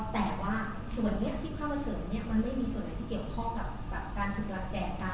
แต่ว่าส่วนที่เข้ามาเสริมมันไม่มีส่วนอะไรที่เกี่ยวข้องกับการถูกรักแก่กัน